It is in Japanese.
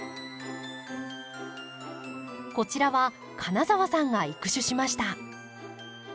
こちらは金澤さんが育種しました。